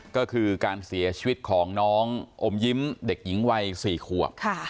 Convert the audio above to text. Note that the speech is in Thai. ก็คือการเสียชีวิตของน้องอมยิ้มเด็กหญิงวัย๔ขวบ